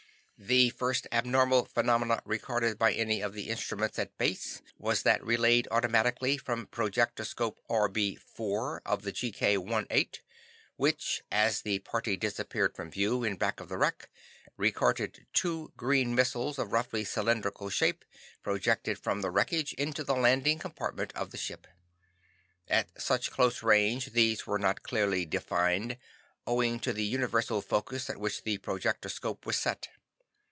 "The first abnormal phenomenon recorded by any of the instruments at Base was that relayed automatically from projectoscope RB 4 of the GK 18, which as the party disappeared from view in back of the wreck, recorded two green missiles of roughly cylindrical shape, projected from the wreckage into the landing compartment of the ship. At such close range these were not clearly defined, owing to the universal focus at which the projectoscope was set.